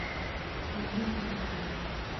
ژوندي غږ لري